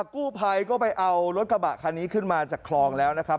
กู้ภัยก็ไปเอารถกระบะคันนี้ขึ้นมาจากคลองแล้วนะครับ